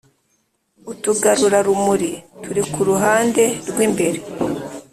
Utugarurarumuri turi ku ruhande rw'imbere